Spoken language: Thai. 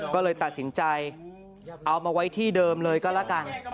ก็เลยตัดสินใจเอามาไว้ที่เดิมเลยก็แล้วกัน